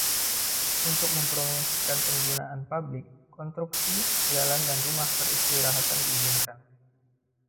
Untuk mempromosikan penggunaan publik, konstruksi jalan dan rumah peristirahatan diizinkan.